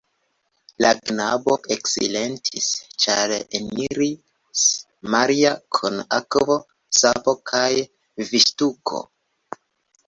La knabo eksilentis, ĉar eniris Maria kun akvo, sapo kaj viŝtuko.